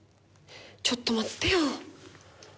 ちょっと待ってよ。